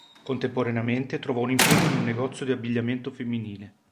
Contemporaneamente trovò un impiego in un negozio di abbigliamento femminile.